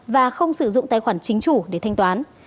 và không sử dụng tài khoản chính chủ để thanh toán